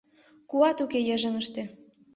Куат уке йыжыҥыште;